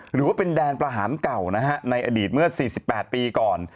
หรือว่าเป็นแดนประหารเก่านะฮะในอดีตเมื่อ๔๘ปีก่อน